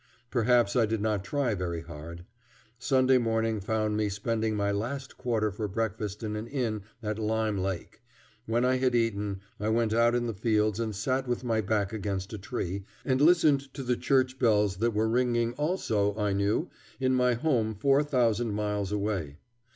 Perhaps I did not try very hard. Sunday morning found me spending my last quarter for breakfast in an inn at Lime Lake. When I had eaten, I went out in the fields and sat with my back against a tree, and listened to the church bells that were ringing also, I knew, in my home four thousand miles away.